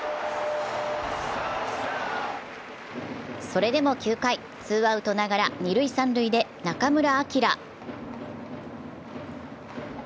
それでも９回、ツーアウトながら二・三塁で中村晃。